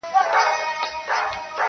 • زه له فطرته عاشقي کومه ښه کومه ,